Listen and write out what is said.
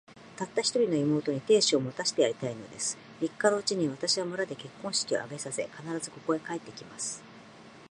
たった一人の妹に、亭主を持たせてやりたいのです。三日のうちに、私は村で結婚式を挙げさせ、必ず、ここへ帰って来ます。